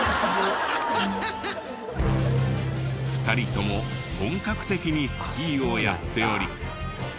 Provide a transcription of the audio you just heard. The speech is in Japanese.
２人とも本格的にスキーをやっており。